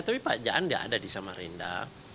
tapi pak jaan tidak ada di samarinda